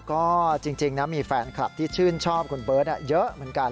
ก็จริงนะมีแฟนคลับที่ชื่นชอบคุณเบิร์ตเยอะเหมือนกัน